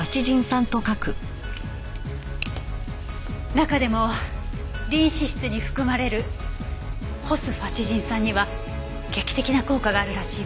中でもリン脂質に含まれるホスファチジン酸には劇的な効果があるらしいわ。